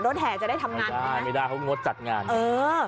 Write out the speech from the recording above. แห่จะได้ทำงานได้ไม่ได้เขางดจัดงานเออ